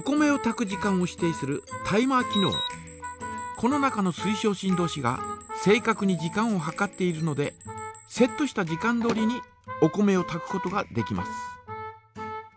この中の水晶振動子が正かくに時間を計っているのでセットした時間どおりにお米をたくことができます。